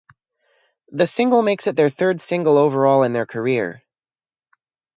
The single makes it their third single overall in their career.